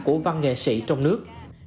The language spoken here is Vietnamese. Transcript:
của văn nghệ sĩ trong nước